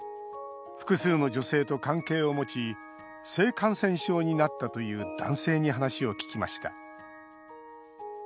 複数の女性と関係を持ち性感染症になったという男性に話を聞きました。